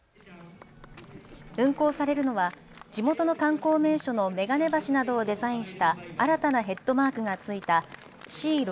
運行されるのは地元の観光名所のめがね橋などをデザインした新たなヘッドマークがついたＣ６１２０